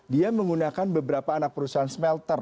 dia menggunakan beberapa anak perusahaan smelter